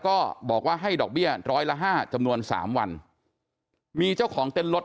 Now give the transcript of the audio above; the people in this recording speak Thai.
ก็บอกว่าให้ดอกเบี้ยร้อยละห้าจำนวนสามวันมีเจ้าของเต้นรถ